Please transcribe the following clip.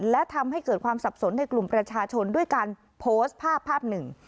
และทำให้เกิดความสับสนในกลุ่มประชาชนด้วยการโพสต์ภาพภาพหนึ่ง